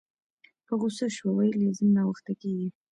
په غوسه شوه ویل یې ځم ناوخته کیږي